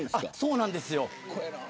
そうなんですよ。